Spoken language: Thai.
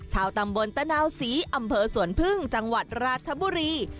ชาวตำบลตะนาวศรีอำเภอสวนพึ่งจังหวัดราชบุรี